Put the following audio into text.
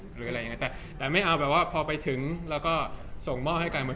หรืออะไรอย่างนั้นแต่ไม่เอาแบบว่าพอไปถึงแล้วก็ส่งหม้อให้กัน